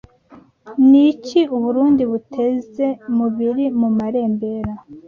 Ni iki u Burundi buteze mu biri mu marembera?